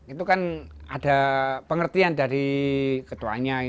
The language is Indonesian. itu kan ada pengertian dari ketuanya